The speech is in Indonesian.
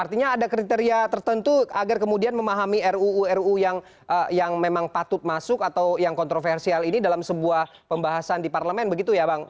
artinya ada kriteria tertentu agar kemudian memahami ruu ruu yang memang patut masuk atau yang kontroversial ini dalam sebuah pembahasan di parlemen begitu ya bang